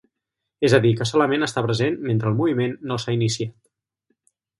És a dir que solament està present mentre el moviment no s'ha iniciat.